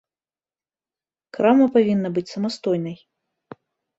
Крама павінна быць самастойнай.